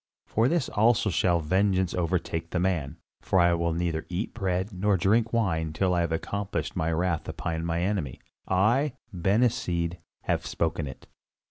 For this also shall vengeance overtake the man, for I will neither eat bread nor drink wine till I have accomplished my wrath upon mine enemy. I, Ben Hesed, have spoken it."